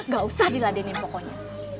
gak usah diladenin pokoknya